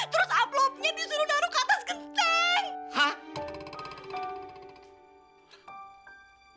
terus aplopnya disuruh naruh ke atas genteng